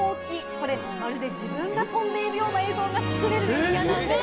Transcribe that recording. これ、まるで自分が飛んでいるような映像が作れるんです。